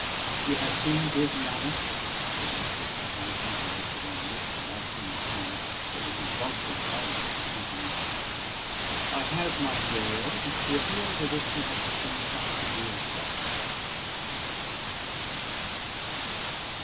"You have seen Georgiana?" said Arthur, advancing towards the baronet and grasping his hand with the convulsive violence of deep emotion. "I have, my dear Earl; and she appears as if she had received some severe shock," was the reply.